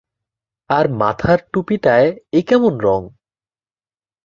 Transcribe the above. আর মাথার টুপিটায় এ কেমন রঙ!